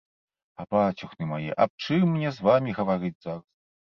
А бацюхны мае, аб чым мне з вамі гаварыць зараз?